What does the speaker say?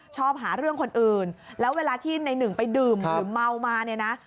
ชอบหาเรื่องคนอื่นแล้วเวลาที่ในหนึ่งไปดื่มหรือเมามาเนี่ยนะ